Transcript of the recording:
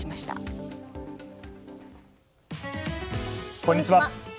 こんにちは。